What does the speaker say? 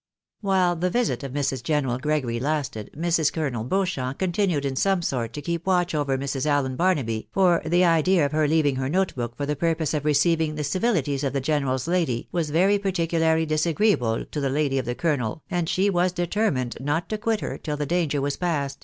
While the visit of Mrs. General Gregory lasted, Mrs. Colonel Beaucliamp continued in some sort to keep watch, over Mrs. Allen Barnahy, for the idea of her leaving her note book for the purpose of receiving the civiUties of the general's lady, was very particularly disagreeable to the lady of the colonel, and she was determined not to quit her, tiU the danger was past.